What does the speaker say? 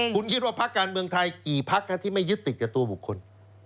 คุณคิดว่าพักการเมืองไทยกี่พักที่ไม่ยึดติดกับตัวบุคคล